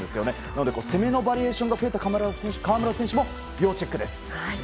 なので、攻めのバリエーションが増えた、河村選手も要チェックです。